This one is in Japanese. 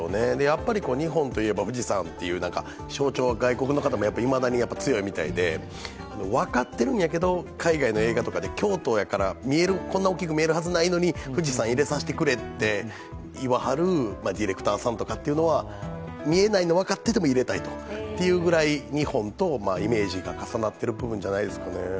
日本といえば富士山という象徴外国の方もいまだに強いみたいで分かってるんやけど海外の映画とかでこんな大きく見えるはずないのに、富士山入れさせてくれと言わはるディレクターさんとかというのは見えないの分かってても入れたいというくらい日本とイメージが重なってる部分じゃないですかね。